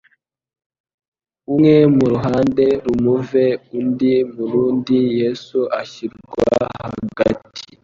«umwe mu ruhande rumuve undi mu rundi, Yesu ashyirwa hagati.»